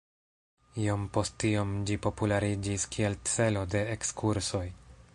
Iom post iom ĝi populariĝis kiel celo de ekskursoj.